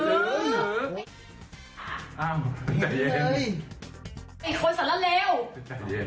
อ้าวสะเย็นเลย